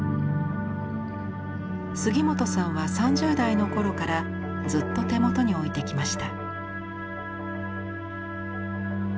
杉本さんは３０代の頃からずっと手元に置いてきました。